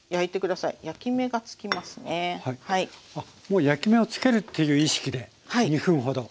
もう焼き目をつけるっていう意識で２分ほど。